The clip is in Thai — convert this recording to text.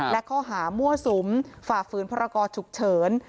และข้อหามั่วสุมฝากฟื้นพระราชกรฉุกเฉิน